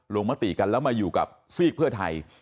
มติกันแล้วมาอยู่กับซีกเพื่อไทย